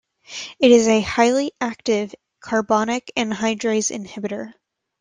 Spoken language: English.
It is a highly active carbonic anhydrase inhibitor.